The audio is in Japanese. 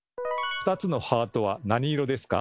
２つのハートは何色ですか？